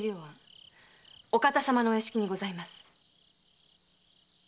お方様のお屋敷にございます。